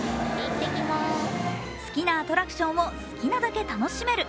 好きなアトラクションを好きなだけ楽しめる。